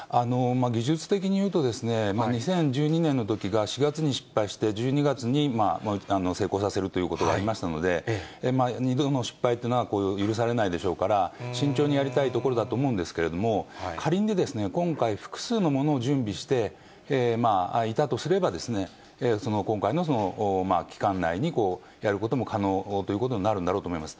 技術的にいうと、２０１２年のときが４月に失敗して、１２月に成功させるということがありましたので、２度の失敗というのは、許されないでしょうから、慎重にやりたいところだと思うんですけれども、仮に、今回複数のものを準備していたとすれば、今回の期間内にやることも可能ということになるんだろうと思います。